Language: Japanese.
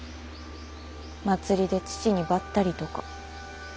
祭りで父にばったりとか。